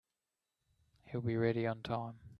He'll be ready on time.